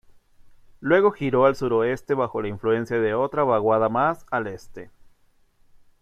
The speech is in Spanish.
Luego giró al suroeste bajo la influencia de otra vaguada más al este.